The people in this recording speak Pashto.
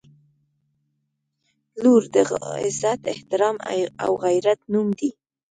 • لور د عزت، احترام او غیرت نوم دی.